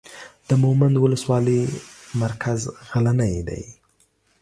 د مومند اولسوالۍ مرکز غلنۍ دی.